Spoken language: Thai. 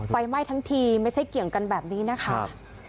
ไฟไหม้ทั้งทีไม่ใช่เกี่ยงกันแบบนี้นะคะ